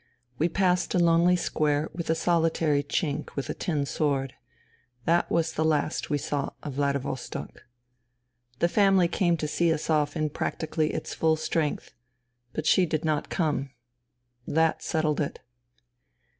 We passed a lonely square with a solitary Chink with a tin sword. That was the last we saw of Vladivostok. The family came to see us off in practically its full strength. But she did not come. That settled it.